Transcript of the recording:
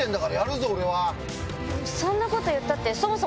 そんなこと言ったって。